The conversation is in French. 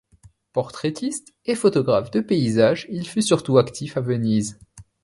Portraitiste et photographe de paysage, il fut surtout actif à Venise.